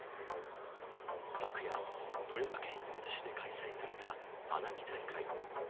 昨夜、富山県射水市で開催された花火大会。